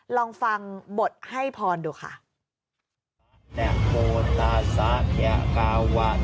ลองฟังบทให้พรดูค่ะ